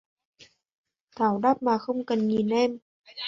Thảo đáp mà không cần nhìn em